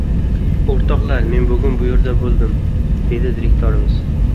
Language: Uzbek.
— O‘rtoqlar, men bugun byuroda bo‘ldym! — deydi direktorimiz.